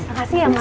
makasih ya mas